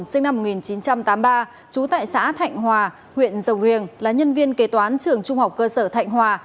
sinh năm một nghìn chín trăm tám mươi ba trú tại xã thạnh hòa huyện rồng riềng là nhân viên kế toán trường trung học cơ sở thạnh hòa